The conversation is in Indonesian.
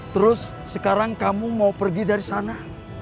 terus sekarang kamu mau pergi dari sana